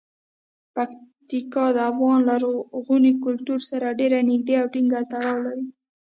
پکتیکا د افغان لرغوني کلتور سره ډیر نږدې او ټینګ تړاو لري.